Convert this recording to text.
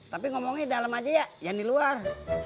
tapi ngomongin dalem aja ya yang di luar